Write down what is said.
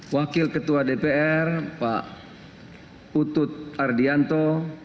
wakil ketua dpr pak utut ardianto